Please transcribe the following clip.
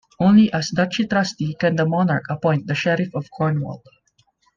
Only as Duchy Trustee can the Monarch appoint the Sheriff of Cornwall.